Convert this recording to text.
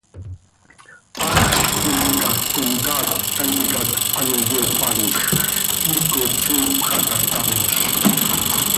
Haxz tintica comcaac tanticat ano yopanzx, quiicot siip xah taa tamoz.